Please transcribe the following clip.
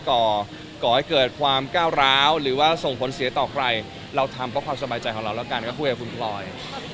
คุณพิกัดว่าตัวเองสวยไหมครับที่แบบคู่แรกที่หน่อยออกโดนคู่แรกเลย